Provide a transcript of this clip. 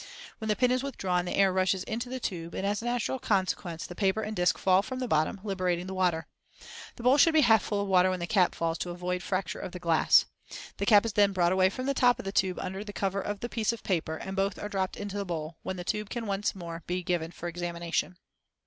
When the pin is withdrawn the air rushes into the tube, and, as a natural consequence, the paper and disc fall from the bottom, liberating the water. The bowl should be half full of water when the cap falls, to avoid fracture of the glass. The cap is then brought away from the top of the tube under cover of the piece of paper, and both are dropped into the bowl, when the tube can be once more given for examination.